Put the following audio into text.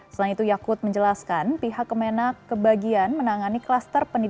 selain itu yakut menjelaskan pihak kemenang kebagian menangani klaster penjara